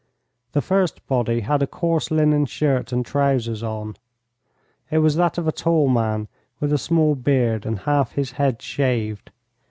The first body had a coarse linen shirt and trousers on; it was that of a tall man with a small beard and half his head shaved.